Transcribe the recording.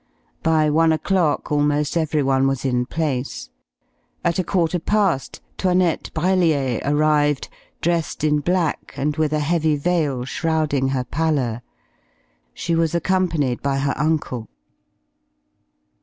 By one o'clock almost everyone was in place. At a quarter past, 'Toinette Brellier arrived, dressed in black and with a heavy veil shrouding her pallor. She was accompanied by her uncle.